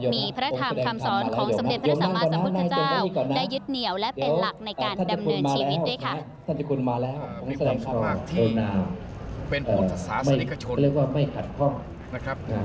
มีพระธรรมคำสอนของสำเร็จพระสมาธิสัมพุทธเจ้า